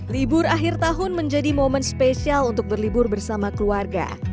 libur akhir tahun menjadi momen spesial untuk berlibur bersama keluarga